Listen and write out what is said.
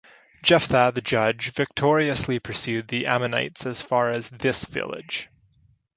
Jephthah, the judge, victoriously pursued the Ammonites as far as this village.